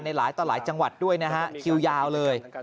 หลายต่อหลายจังหวัดด้วยนะฮะคิวยาวเลย